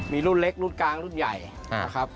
มีรุ่นเล็กรุ่นกลางรุ่นใหญ่นะครับ